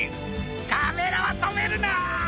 カメラはとめるな！